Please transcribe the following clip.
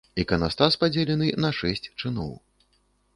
Іканастас падзелены на шэсць чыноў.